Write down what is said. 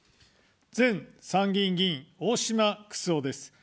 前参議院議員、大島九州男です。